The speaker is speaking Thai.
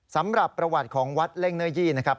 สำหรับประวัติของวัดเล่งเนื้อยี่นะครับ